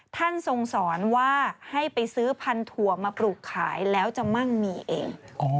ท่านทรงสอนว่าให้ไปซื้อพันถั่วมาปลูกขายแล้วจะมั่งมีเอง